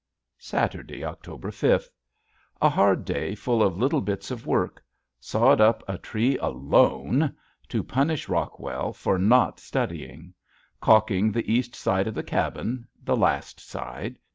Saturday, October fifth. A hard day full of little bits of work. Sawed up a tree alone, to punish Rockwell! for not studying. Caulking the east side of the cabin the last side.